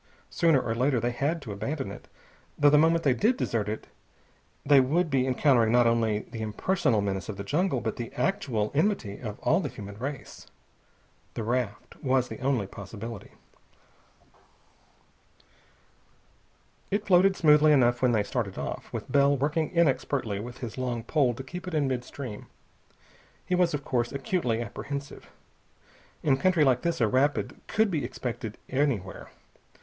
Sooner or later they had to abandon it, though the moment they did desert it they would be encountering not only the impersonal menace of the jungle, but the actual enmity of all the human race. The raft was the only possibility. It floated smoothly enough when they started off, with Bell working inexpertly with his long pole to keep it in mid stream. He was, of course, acutely apprehensive. In country like this a rapid could be expected anywhere.